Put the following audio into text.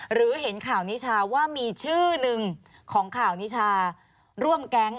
หรือเห็นข่าวนิชาว่ามีชื่อหนึ่งของข่าวนิชาร่วมแก๊ง